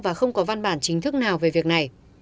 và không có văn bản chính thức nào về việc này